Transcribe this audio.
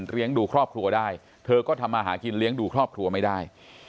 ดูครอบครัวได้เธอก็ทำมาหากินเลี้ยงดูครอบครัวไม่ได้